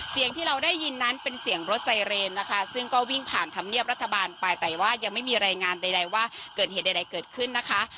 เสียงที่เราได้ยินนั้นเป็นเสียงรถไซเรนนะคะซึ่งก็วิ่งผ่านธรรมเนียบรัฐบาลไปแต่ว่ายังไม่มีรายงานใดว่าเกิดเหตุใดเกิดขึ้นนะคะ